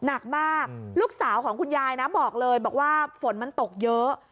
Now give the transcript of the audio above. หนักมากลูกสาวของคุณยายนะบอกเลยบอกว่าฝนมันตกเยอะ